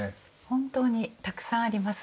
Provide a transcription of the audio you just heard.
本当にたくさんあります。